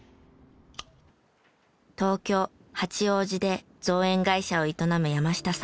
東京八王子で造園会社を営む山下さん。